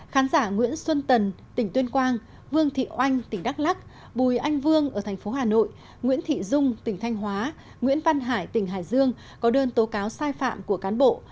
khán giả nguyễn xuân tần tỉnh tuyên quang vương thị oanh tỉnh đắk lắc bùi anh vương ở thành phố hà nội nguyễn thị dung tỉnh thanh hóa nguyễn văn hải tỉnh hải dương có đơn tố cáo sai phạm của cán bộ